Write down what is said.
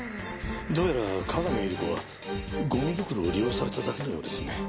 どうやら各務百合子はゴミ袋を利用されただけのようですね。